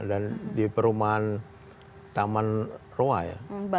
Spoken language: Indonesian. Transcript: dan di perumahan taman roa ya